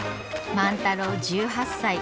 万太郎１８歳。